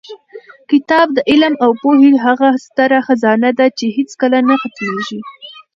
کتاب د علم او پوهې هغه ستره خزانه ده چې هېڅکله نه ختمېږي.